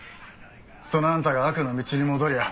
そのあんたが悪の道に戻りゃ